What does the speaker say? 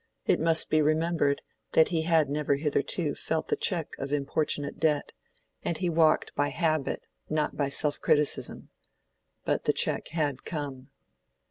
It must be remembered that he had never hitherto felt the check of importunate debt, and he walked by habit, not by self criticism. But the check had come.